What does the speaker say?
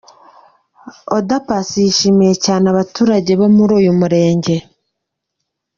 Oda Paccy yishimiye cyane abaturage bo muri uyu murenge.